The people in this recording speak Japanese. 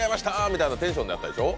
みたいなテンションだったでしょ？